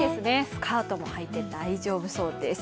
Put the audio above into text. スカートもはいて大丈夫そうです。